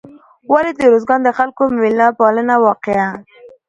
ولې د روزګان د خلکو میلمه پالنه واقعا